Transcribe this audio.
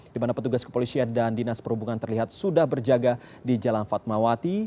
di mana petugas kepolisian dan dinas perhubungan terlihat sudah berjaga di jalan fatmawati